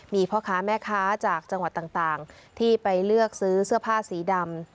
มีพ่อค้าแม่ค้าจากจังหวัดต่างที่ไปเลือกซื้อเสื้อผ้าสีดำ